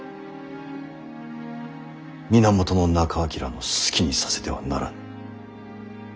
源仲章の好きにさせてはならぬ。